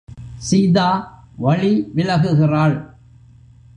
சீதா வழி விலகுகிறாள்.